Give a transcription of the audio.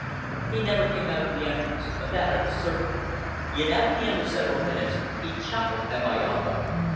He never came out of the entrance, of that I was certain; yet at the end of several minutes he chuckled at my elbow.